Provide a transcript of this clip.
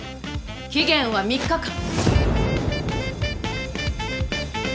期限は３日間。